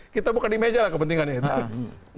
kita buka di meja lah kepentingannya itu